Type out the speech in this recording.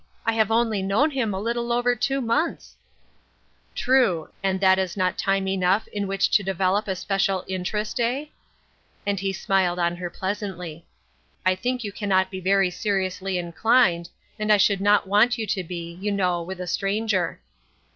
I have only known him a little over two months." DRIFTING. ^I " True ; and that is not time enough in which to develop a special interest, eh ?" and he smiled on her pleasantly. " I think you cannot be very seri ously inclined, and I should not want you to be, you know, with a stranger."